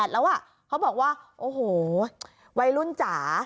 แล้วเขาบอกว่าโอ้โหวัยรุ่นจ๋า